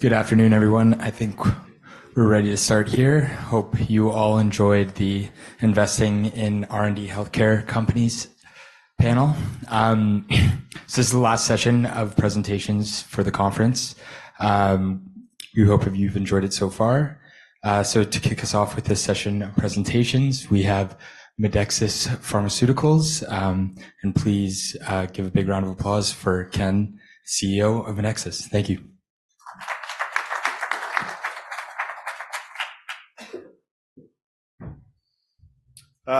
Good afternoon, everyone. I think we're ready to start here. Hope you all enjoyed the investing in R&D healthcare companies panel. This is the last session of presentations for the conference. We hope you've enjoyed it so far. So to kick us off with this session of presentations, we have Medexus Pharmaceuticals. And please give a big round of applause for Ken, CEO of Medexus. Thank you.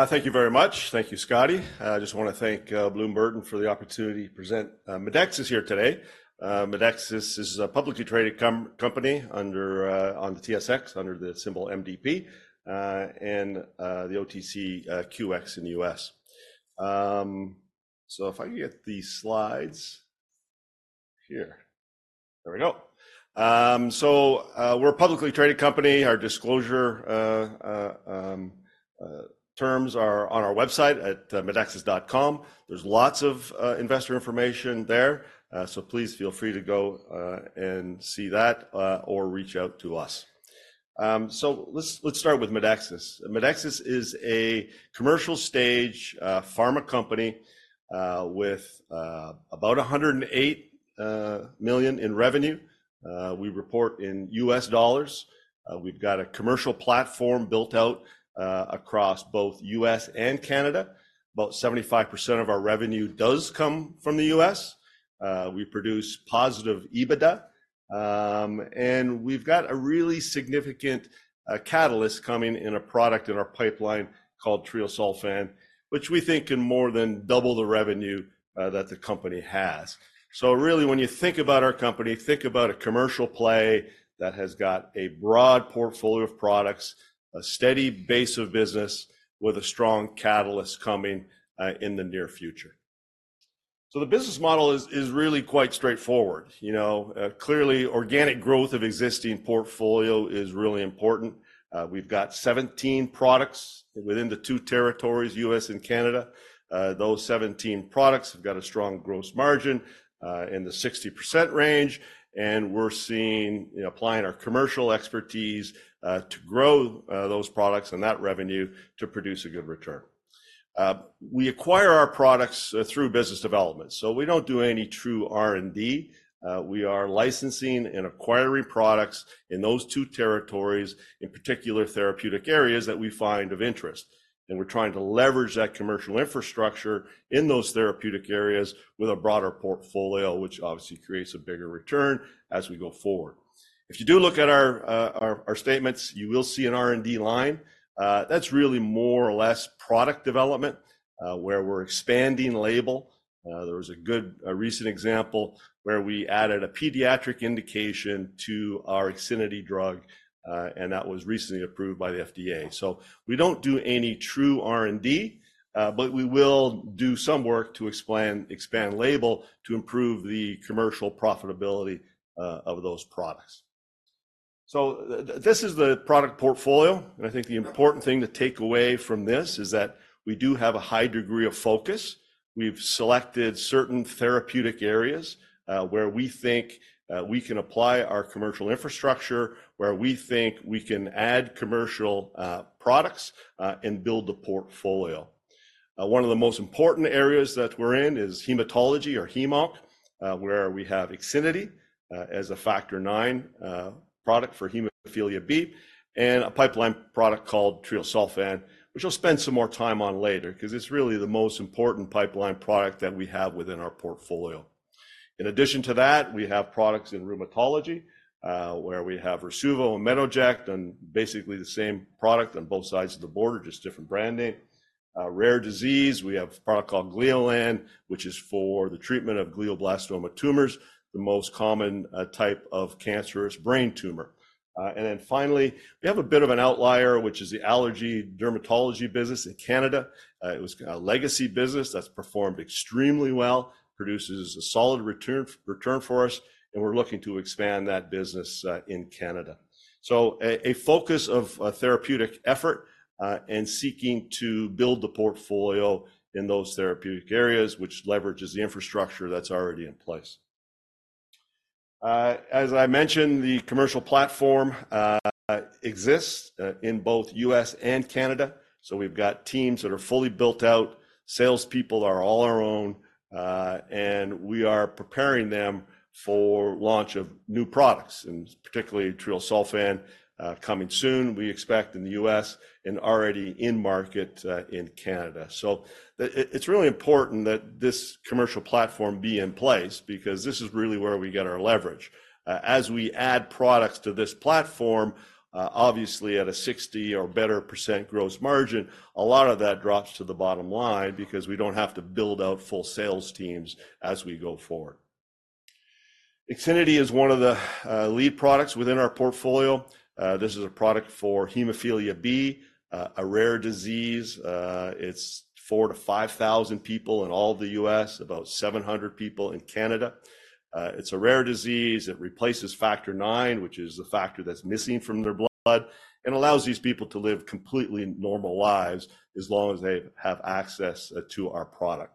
Thank you very much. Thank you, Scotty. I just want to thank Bloom Burton for the opportunity to present Medexus here today. Medexus is a publicly traded company under the TSX, under the symbol MDP, and the OTCQX in the U.S. So if I can get the slides here. There we go. So we're a publicly traded company. Our disclosure terms are on our website at medexus.com. There's lots of investor information there. So please feel free to go and see that or reach out to us. So let's start with Medexus. Medexus is a commercial stage pharma company with about $108 million in revenue. We report in U.S. dollars. We've got a commercial platform built out across both U.S. and Canada. About 75% of our revenue does come from the U.S. We produce positive EBITDA. We've got a really significant catalyst coming in a product in our pipeline called Treosulfan, which we think can more than double the revenue that the company has. So really, when you think about our company, think about a commercial play that has got a broad portfolio of products, a steady base of business with a strong catalyst coming in the near future. So the business model is really quite straightforward. Clearly, organic growth of existing portfolio is really important. We've got 17 products within the two territories, U.S. and Canada. Those 17 products have got a strong gross margin in the 60% range. And we're seeing applying our commercial expertise to grow those products and that revenue to produce a good return. We acquire our products through business development. So we don't do any true R&D. We are licensing and acquiring products in those two territories, in particular therapeutic areas that we find of interest. We're trying to leverage that commercial infrastructure in those therapeutic areas with a broader portfolio, which obviously creates a bigger return as we go forward. If you do look at our statements, you will see an R&D line. That's really more or less product development where we're expanding label. There was a good recent example where we added a pediatric indication to our Ixinity drug, and that was recently approved by the FDA. We don't do any true R&D, but we will do some work to expand label to improve the commercial profitability of those products. This is the product portfolio. I think the important thing to take away from this is that we do have a high degree of focus. We've selected certain therapeutic areas where we think we can apply our commercial infrastructure, where we think we can add commercial products and build the portfolio. One of the most important areas that we're in is hematology or HemOnc, where we have Ixinity as a Factor IX product for hemophilia B and a pipeline product called Treosulfan, which I'll spend some more time on later because it's really the most important pipeline product that we have within our portfolio. In addition to that, we have products in rheumatology where we have Rasuvo and Metoject and basically the same product on both sides of the border, just different branding. Rare disease, we have a product called Gleolan, which is for the treatment of glioblastoma tumors, the most common type of cancerous brain tumor. Then finally, we have a bit of an outlier, which is the allergy dermatology business in Canada. It was a legacy business that's performed extremely well, produces a solid return for us, and we're looking to expand that business in Canada. A focus of therapeutic effort and seeking to build the portfolio in those therapeutic areas, which leverages the infrastructure that's already in place. As I mentioned, the commercial platform exists in both the U.S. and Canada. We've got teams that are fully built out. Salespeople are all our own. And we are preparing them for launch of new products, and particularly Treosulfan coming soon, we expect in the U.S. and already in market in Canada. It's really important that this commercial platform be in place because this is really where we get our leverage. As we add products to this platform, obviously at a 60% or better gross margin, a lot of that drops to the bottom line because we don't have to build out full sales teams as we go forward. Ixinity is one of the lead products within our portfolio. This is a product for Hemophilia B, a rare disease. It's 4,000-5,000 people in all of the U.S., about 700 people in Canada. It's a rare disease. It replaces Factor IX, which is the factor that's missing from their blood and allows these people to live completely normal lives as long as they have access to our product.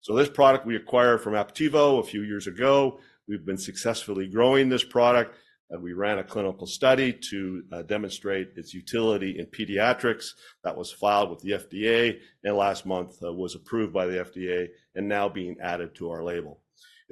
So this product we acquired from Aptevo a few years ago. We've been successfully growing this product. We ran a clinical study to demonstrate its utility in pediatrics that was filed with the FDA and last month was approved by the FDA and now being added to our label.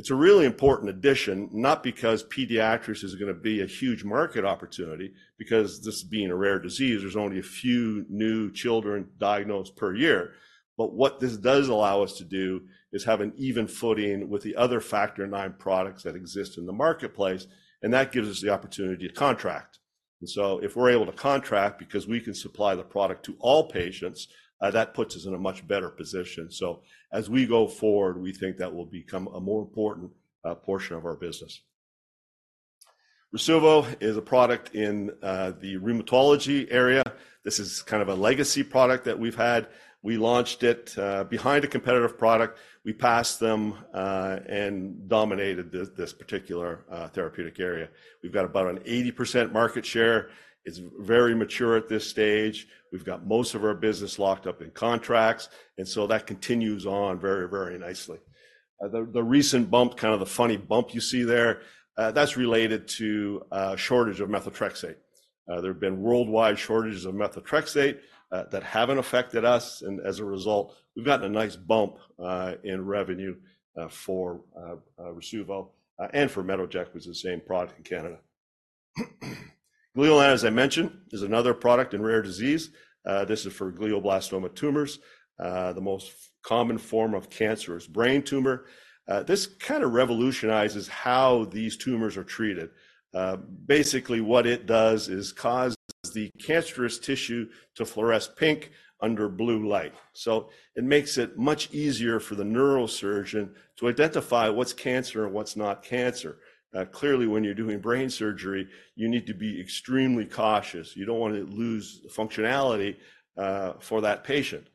It's a really important addition, not because pediatrics is going to be a huge market opportunity, because this being a rare disease, there's only a few new children diagnosed per year. But what this does allow us to do is have an even footing with the other Factor IX products that exist in the marketplace. And that gives us the opportunity to contract. And so if we're able to contract because we can supply the product to all patients, that puts us in a much better position. So as we go forward, we think that will become a more important portion of our business. Rasuvo is a product in the rheumatology area. This is kind of a legacy product that we've had. We launched it behind a competitive product. We passed them and dominated this particular therapeutic area. We've got about an 80% market share. It's very mature at this stage. We've got most of our business locked up in contracts. So that continues on very, very nicely. The recent bump, kind of the funny bump you see there, that's related to a shortage of methotrexate. There have been worldwide shortages of methotrexate that haven't affected us. And as a result, we've gotten a nice bump in revenue for Rasuvo and for Metoject, which is the same product in Canada. Gleolan, as I mentioned, is another product in rare disease. This is for glioblastoma tumors, the most common form of cancerous brain tumor. This kind of revolutionizes how these tumors are treated. Basically, what it does is cause the cancerous tissue to fluoresce pink under blue light. So it makes it much easier for the neurosurgeon to identify what's cancer and what's not cancer. Clearly, when you're doing brain surgery, you need to be extremely cautious. You don't want to lose functionality for that patient.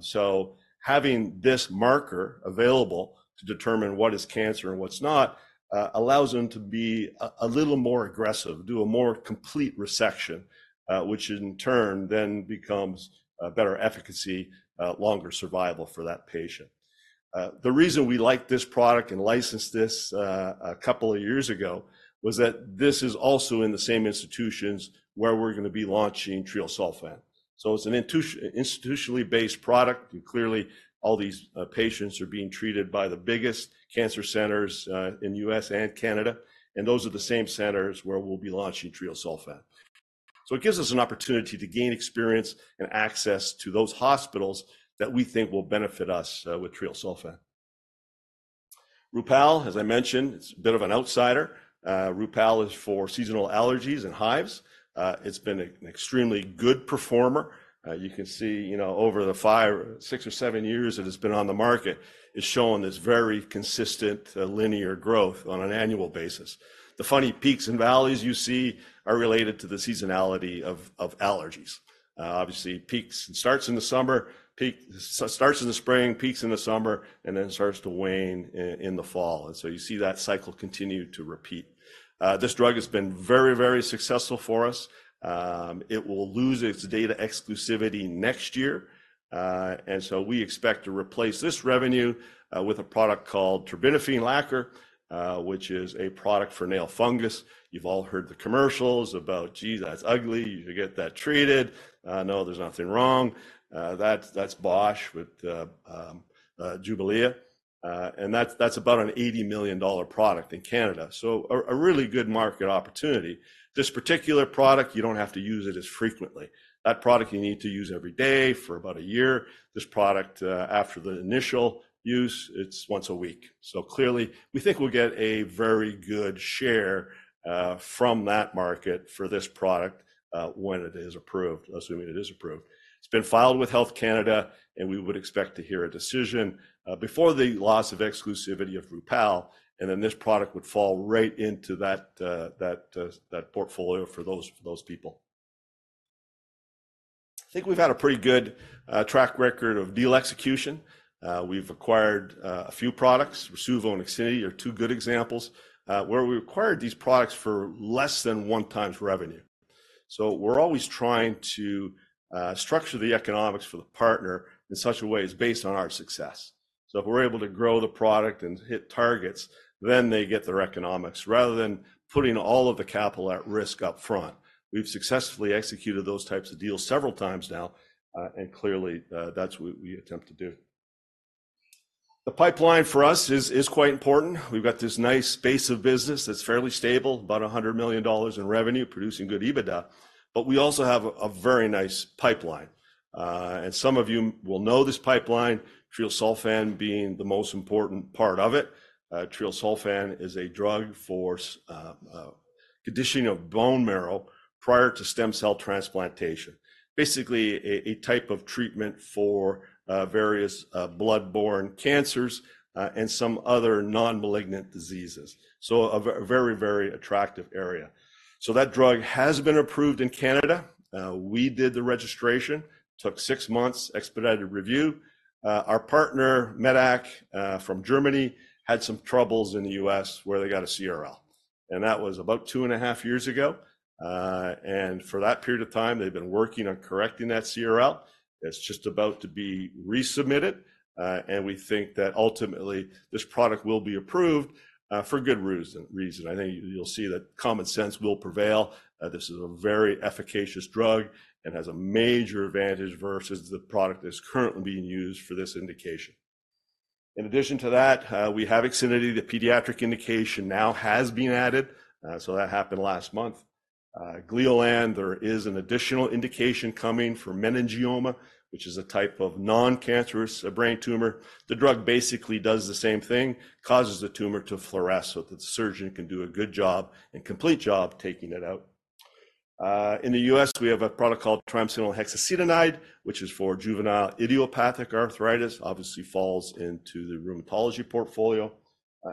So having this marker available to determine what is cancer and what's not allows them to be a little more aggressive, do a more complete resection, which in turn then becomes better efficacy, longer survival for that patient. The reason we liked this product and licensed this a couple of years ago was that this is also in the same institutions where we're going to be launching Treosulfan. So it's an institutionally based product. Clearly, all these patients are being treated by the biggest cancer centers in the U.S. and Canada. Those are the same centers where we'll be launching Treosulfan. So it gives us an opportunity to gain experience and access to those hospitals that we think will benefit us with Treosulfan. Rupall, as I mentioned, it's a bit of an outsider. Rupall is for seasonal allergies and hives. It's been an extremely good performer. You can see over the six or seven years it has been on the market is showing this very consistent linear growth on an annual basis. The funny peaks and valleys you see are related to the seasonality of allergies. Obviously, peaks starts in the spring, peaks in the summer, and then starts to wane in the fall. And so you see that cycle continue to repeat. This drug has been very, very successful for us. It will lose its data exclusivity next year. And so we expect to replace this revenue with a product called terbinafine lacquer, which is a product for nail fungus. You've all heard the commercials about, "Geez, that's ugly. You should get that treated." No, there's nothing wrong. That's Bausch with Jublia. And that's about an $80 million product in Canada. So a really good market opportunity. This particular product, you don't have to use it as frequently. That product, you need to use every day for about a year. This product, after the initial use, it's once a week. So clearly, we think we'll get a very good share from that market for this product when it is approved, assuming it is approved. It's been filed with Health Canada, and we would expect to hear a decision before the loss of exclusivity of Rupall. And then this product would fall right into that portfolio for those people. I think we've had a pretty good track record of deal execution. We've acquired a few products. Rasuvo and Ixinity are two good examples where we acquired these products for less than 1x revenue. So we're always trying to structure the economics for the partner in such a way it's based on our success. So if we're able to grow the product and hit targets, then they get their economics rather than putting all of the capital at risk upfront. We've successfully executed those types of deals several times now. And clearly, that's what we attempt to do. The pipeline for us is quite important. We've got this nice base of business that's fairly stable, about $100 million in revenue, producing good EBITDA. But we also have a very nice pipeline. And some of you will know this pipeline, Treosulfan being the most important part of it. Treosulfan is a drug for conditioning of bone marrow prior to stem cell transplantation, basically a type of treatment for various bloodborne cancers and some other non-malignant diseases. So a very, very attractive area. So that drug has been approved in Canada. We did the registration, took six months, expedited review. Our partner, Medac from Germany, had some troubles in the U.S. where they got a CRL. And that was about two and a half years ago. And for that period of time, they've been working on correcting that CRL. It's just about to be resubmitted. And we think that ultimately this product will be approved for good reason. I think you'll see that common sense will prevail. This is a very efficacious drug and has a major advantage versus the product that is currently being used for this indication. In addition to that, we have Ixinity. The pediatric indication now has been added. That happened last month. Gleolan, there is an additional indication coming for meningioma, which is a type of non-cancerous brain tumor. The drug basically does the same thing, causes the tumor to fluoresce so that the surgeon can do a good job and complete job taking it out. In the U.S., we have a product called triamcinolone hexacetonide, which is for juvenile idiopathic arthritis, obviously falls into the rheumatology portfolio.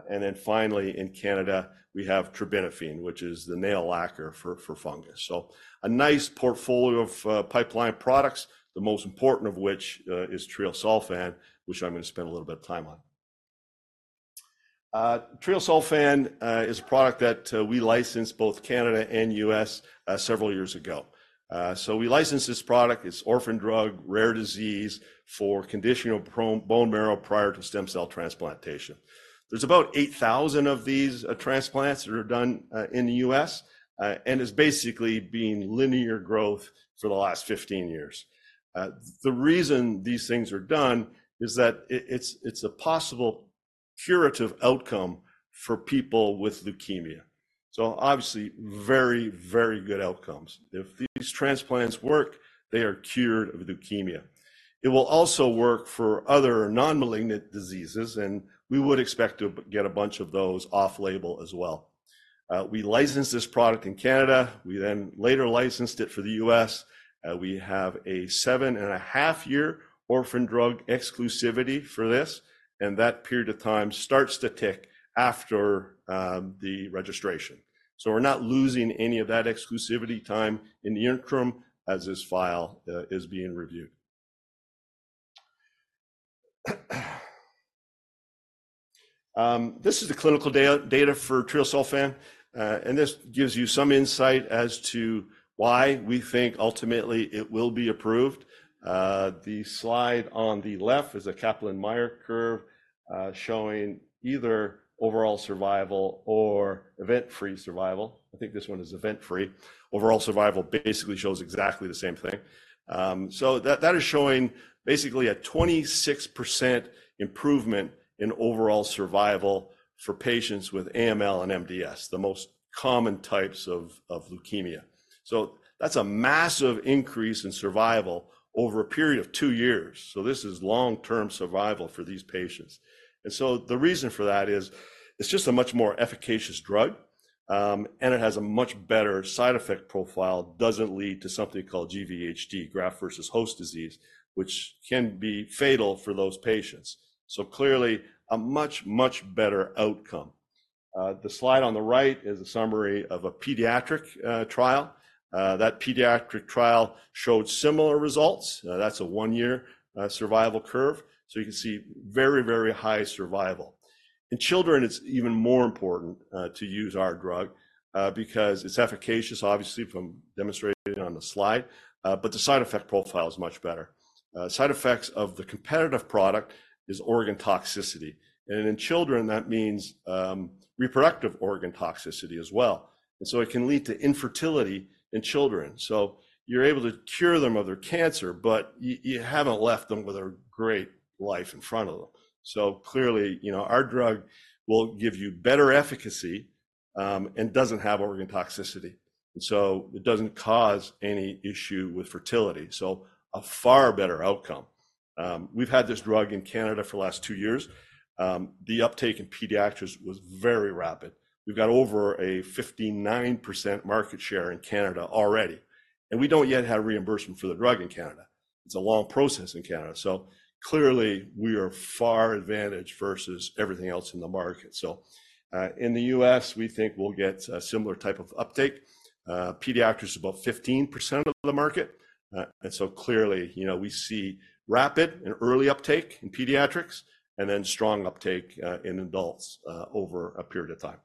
And then finally, in Canada, we have terbinafine, which is the nail lacquer for fungus. So a nice portfolio of pipeline products, the most important of which is Treosulfan, which I'm going to spend a little bit of time on. Treosulfan is a product that we licensed both Canada and U.S. several years ago. So we licensed this product. It's an orphan drug, rare disease for conditioning bone marrow prior to stem cell transplantation. There's about 8,000 of these transplants that are done in the U.S. and is basically being linear growth for the last 15 years. The reason these things are done is that it's a possible curative outcome for people with leukemia. So obviously, very, very good outcomes. If these transplants work, they are cured of leukemia. It will also work for other non-malignant diseases. And we would expect to get a bunch of those off-label as well. We licensed this product in Canada. We then later licensed it for the U.S. We have a 7.5-year orphan drug exclusivity for this. And that period of time starts to tick after the registration. So we're not losing any of that exclusivity time in the interim as this file is being reviewed. This is the clinical data for Treosulfan. This gives you some insight as to why we think ultimately it will be approved. The slide on the left is a Kaplan-Meier curve showing either overall survival or event-free survival. I think this one is event-free. Overall survival basically shows exactly the same thing. That is showing basically a 26% improvement in overall survival for patients with AML and MDS, the most common types of leukemia. That's a massive increase in survival over a period of two years. This is long-term survival for these patients. The reason for that is it's just a much more efficacious drug. It has a much better side effect profile, doesn't lead to something called GVHD, graft-versus-host disease, which can be fatal for those patients. Clearly, a much, much better outcome. The slide on the right is a summary of a pediatric trial. That pediatric trial showed similar results. That's a one-year survival curve. So you can see very, very high survival. In children, it's even more important to use our drug because it's efficacious, obviously, from demonstrated on the slide. But the side effect profile is much better. Side effects of the competitive product are organ toxicity. And in children, that means reproductive organ toxicity as well. And so it can lead to infertility in children. So you're able to cure them of their cancer, but you haven't left them with a great life in front of them. So clearly, our drug will give you better efficacy and doesn't have organ toxicity. And so it doesn't cause any issue with fertility. So a far better outcome. We've had this drug in Canada for the last two years. The uptake in pediatrics was very rapid. We've got over a 59% market share in Canada already. We don't yet have reimbursement for the drug in Canada. It's a long process in Canada. Clearly, we are far advantaged versus everything else in the market. In the U.S., we think we'll get a similar type of uptake. Pediatrics is about 15% of the market. Clearly, we see rapid and early uptake in pediatrics and then strong uptake in adults over a period of time.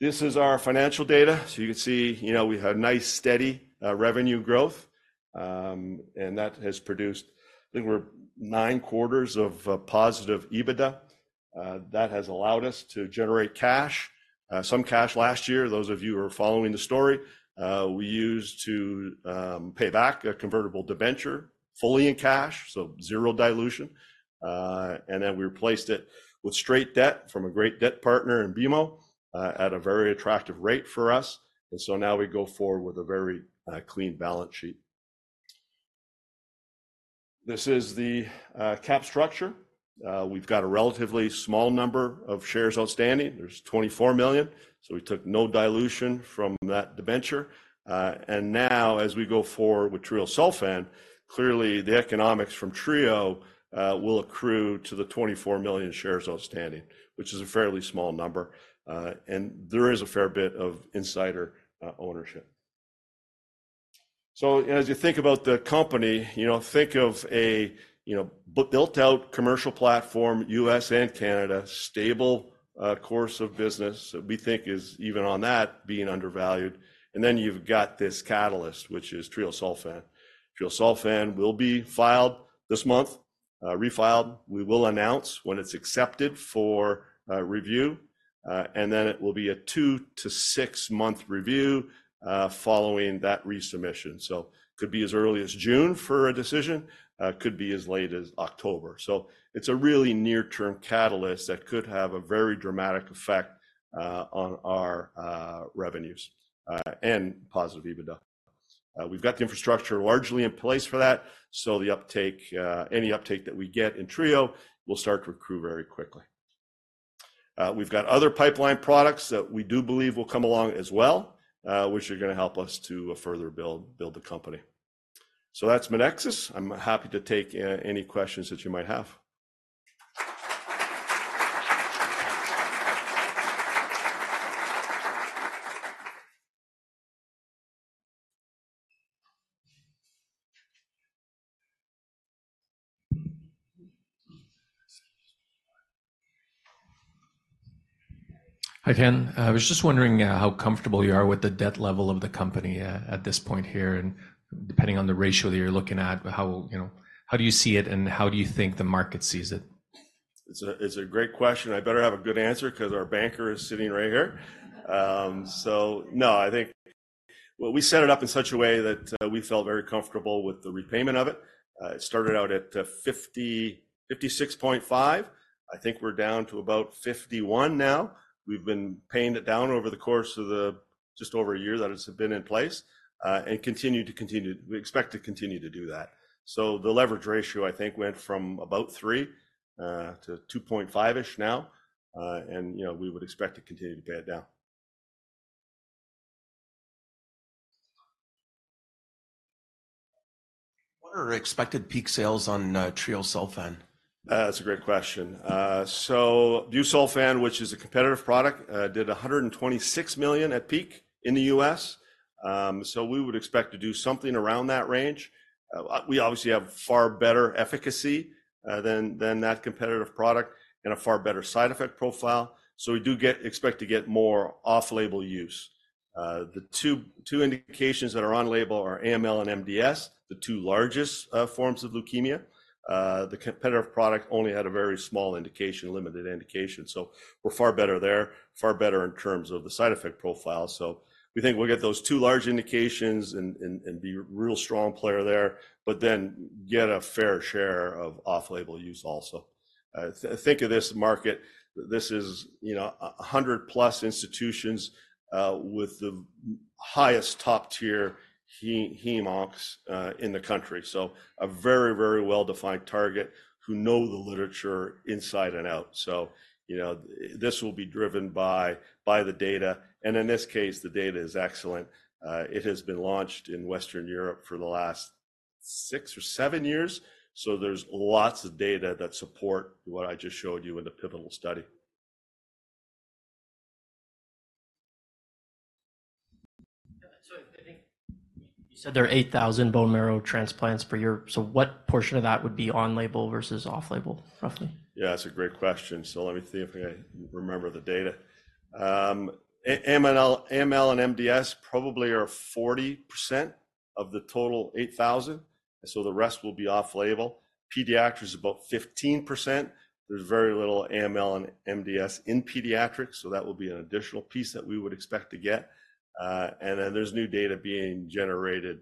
This is our financial data. You can see we have nice, steady revenue growth. That has produced, I think, nine quarters of positive EBITDA. That has allowed us to generate cash, some cash last year, those of you who are following the story. We used to pay back a convertible debenture fully in cash, so zero dilution. Then we replaced it with straight debt from a great debt partner in BMO at a very attractive rate for us. So now we go forward with a very clean balance sheet. This is the cap structure. We've got a relatively small number of shares outstanding. There's 24 million. So we took no dilution from that debenture. And now as we go forward with Treosulfan, clearly, the economics from Treosulfan will accrue to the 24 million shares outstanding, which is a fairly small number. And there is a fair bit of insider ownership. So as you think about the company, think of a built-out commercial platform, U.S. and Canada, stable course of business that we think is even on that being undervalued. And then you've got this catalyst, which is Treosulfan. Treosulfan will be filed this month, refiled. We will announce when it's accepted for review. Then it will be a two to six-month review following that resubmission. So it could be as early as June for a decision, could be as late as October. So it's a really near-term catalyst that could have a very dramatic effect on our revenues and positive EBITDA. We've got the infrastructure largely in place for that. So any uptake that we get in Treo, we'll start to accrue very quickly. We've got other pipeline products that we do believe will come along as well, which are going to help us to further build the company. So that's Medexus. I'm happy to take any questions that you might have. Hi, Ken. I was just wondering how comfortable you are with the debt level of the company at this point here. Depending on the ratio that you're looking at, how do you see it and how do you think the market sees it? It's a great question. I better have a good answer because our banker is sitting right here. So no, I think we set it up in such a way that we felt very comfortable with the repayment of it. It started out at $56.5. I think we're down to about $51 now. We've been paying it down over the course of just over a year that it's been in place and continue to continue. We expect to continue to do that. So the leverage ratio, I think, went from about three to 2.5-ish now. And we would expect to continue to pay it down. What are expected peak sales on Treosulfan? That's a great question. So Busulfan, which is a competitive product, did $126 million at peak in the U.S. So we would expect to do something around that range. We obviously have far better efficacy than that competitive product and a far better side effect profile. So we do expect to get more off-label use. The two indications that are on label are AML and MDS, the two largest forms of leukemia. The competitive product only had a very small indication, limited indication. So we're far better there, far better in terms of the side effect profile. So we think we'll get those two large indications and be a real strong player there, but then get a fair share of off-label use also. Think of this market. This is 100+ institutions with the highest top-tier HemOncs in the country. So a very, very well-defined target who know the literature inside and out. So this will be driven by the data. And in this case, the data is excellent. It has been launched in Western Europe for the last six or seven years. So there's lots of data that support what I just showed you in the pivotal study. So I think you said there are 8,000 bone marrow transplants per year. So what portion of that would be on label versus off label, roughly? Yeah, that's a great question. So let me see if I remember the data. AML and MDS probably are 40% of the total 8,000. So the rest will be off label. Pediatrics is about 15%. There's very little AML and MDS in pediatrics. So that will be an additional piece that we would expect to get. And then there's new data being generated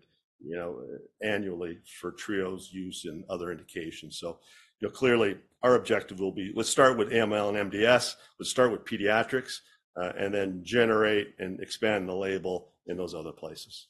annually for Treosulfan's use in other indications. So clearly, our objective will be: let's start with AML and MDS. Let's start with pediatrics and then generate and expand the label in those other places.